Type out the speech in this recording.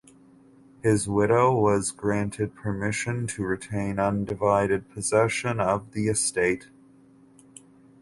His widow was granted permission to retain undivided possession of the estate.